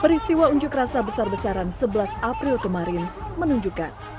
peristiwa unjuk rasa besar besaran sebelas april kemarin menunjukkan